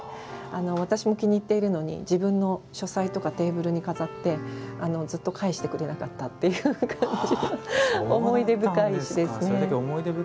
私も気に入っているのに自分の書斎とかテーブルに飾って返してくれなかったという思い出深い石ですね。